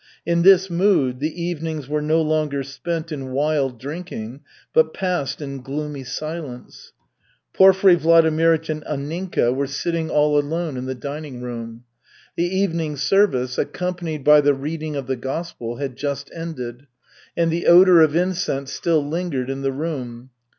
In this mood the evenings were no longer spent in wild drinking, but passed in gloomy silence. Porfiry Vladimirych and Anninka were sitting all alone in the dining room. The evening service, accompanied by the reading of the gospel, had just ended, and the odor of incense still lingered in the room.